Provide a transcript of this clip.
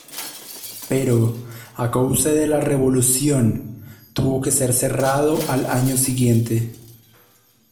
Pero, a causa de la Revolución, tuvo que ser cerrado al año siguiente.